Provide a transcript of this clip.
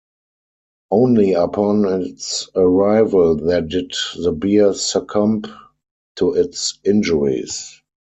Only upon its arrival there did the bear succumb to its injuries.